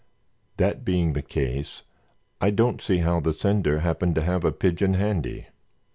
That being the case, I don't see how the sender happened to have a pigeon handy."